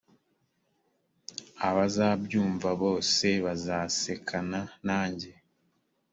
abazabyumva bose bazasekana nanjye